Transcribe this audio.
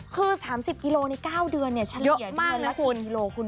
คือ๓๐กิโลใน๙เดือนชะเรียแล้วเทอร์มากเลยคุณ